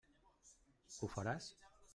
Ho faràs?